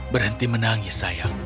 berhenti menangis sayang